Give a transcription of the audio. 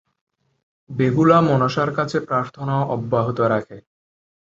বেহুলা মনসার কাছে প্রার্থনা অব্যাহত রাখে।